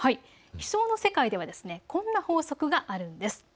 気象の世界ではこんな法則があるんです。